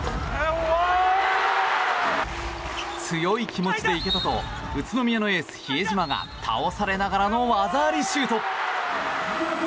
強い気持ちでいけたと宇都宮のエース比江島が倒されながらの技ありシュート。